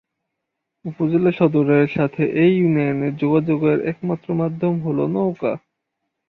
উপজেলা সদরের সাথে এ ইউনিয়নের যোগাযোগের একমাত্র মাধ্যম হল নৌকা।